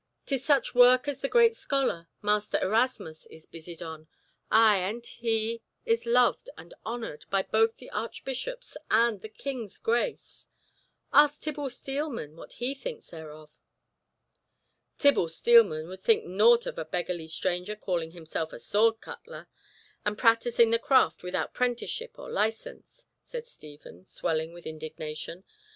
'Tis such work as the great scholar, Master Erasmus, is busied on—ay, and he is loved and honoured by both the Archbishops and the King's grace! Ask Tibble Steelman what he thinks thereof." "Tibble Steelman would think nought of a beggarly stranger calling himself a sword cutler, and practising the craft without prenticeship or license," said Stephen, swelling with indignation.